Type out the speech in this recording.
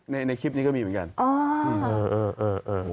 ในคลิปนี้ก็มีเหมือนกัน